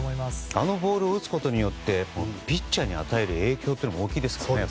あのボールを打つことによってピッチャーに与える影響というのも大きいですからね。